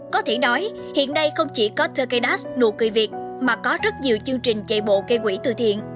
có thể nói hiện nay không chỉ có turkey dash nụ cười việt mà có rất nhiều chương trình chạy bộ cây quỷ từ thiện